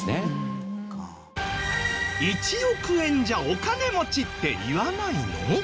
１億円じゃお金持ちって言わないの？